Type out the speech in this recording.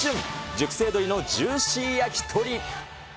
熟成鶏のジューシー焼き鳥。